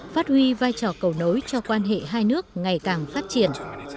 phát huy vai trò cầu nối cho quan hệ hai nước ngày càng phát triển